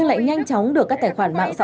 milligram trên đi ký thở nhé